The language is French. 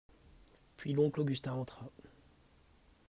Puis l'oncle Augustin entra.